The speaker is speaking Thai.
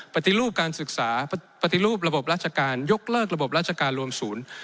ปฏิรูปการศึกษาปฏิรูประบบราชการยกเลิกระบบราชการรวมศูนย์